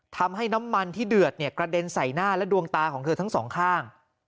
ทำให้น้ำมันที่เดือดเนี่ยกระเด็นใส่หน้าและดวงตาของเธอทั้งสองข้าง